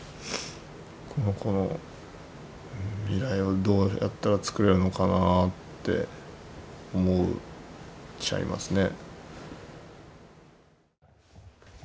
この子の未来はどうやったら作れるのかなって思っちゃいますね。